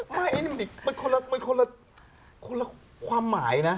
ไม่มันคนละคนละความหมายนะ